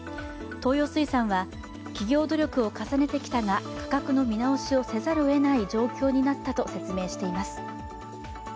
東洋水産は企業努力を重ねてきたが価格の見直しをせざるをえない状況になったと説明しています。